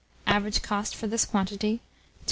Average cost, for this quantity, 2s.